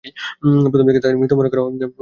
প্রথম দিকে তাদের মৃত মনে করা হয়ে হয়েছিল।